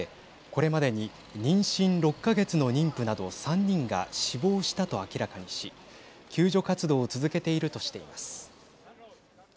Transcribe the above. これまでに妊娠６か月の妊婦など３人が死亡したと明らかにし救助活動を続けているとしています。